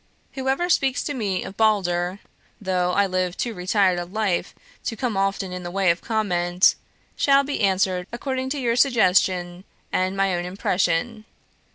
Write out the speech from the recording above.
"Whoever speaks to me of 'Balder' though I live too retired a life to come often in the way of comment shall be answered according to your suggestion and my own impression.